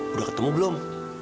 udah ketemu belum